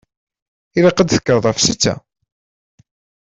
Ilaq ad d-tekkreḍ ɣef setta.